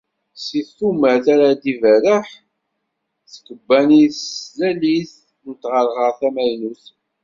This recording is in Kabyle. S tumert ara d-tberreḥ tkebbanit s tlalit n tɣerɣert tamaynut.